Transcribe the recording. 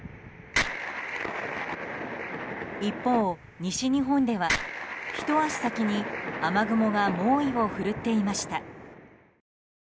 一方、西日本ではひと足先に雨雲が猛威を振るっていました。